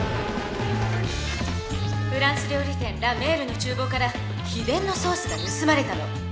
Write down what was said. フランス料理店「ラ・メール」のちゅうぼうから秘伝のソースが盗まれたの。